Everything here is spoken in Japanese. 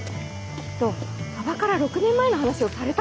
きっと馬場から６年前の話をされたんじゃないですか？